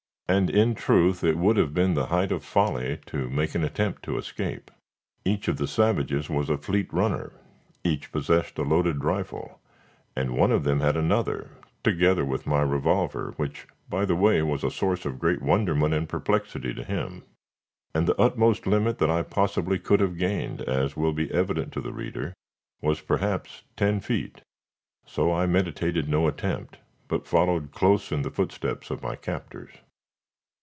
And in truth it would have been the height of folly to make an attempt to escape. Each of the savages was a fleet runner, each possessed a loaded rifle (and one of them had another, together with my revolver, which, by the way, was a source of great wonderment and perplexity to him), and the utmost limit that I possibly could have gained, as will be evident to the reader, was perhaps ten feet. So I meditated no attempt, but followed close in the footsteps of my captors.